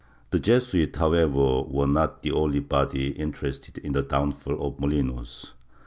^ The Jesuits, however, were not the only body interested in the downfall of Molinos.